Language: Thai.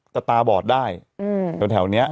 จะตาบอดได้ตรงแถวนี้